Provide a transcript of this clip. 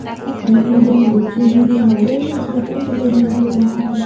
Hata hivyo mila na desturi nyingi za Wagweno zinafanana zaidi na zile za Wapare